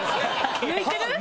抜いてる？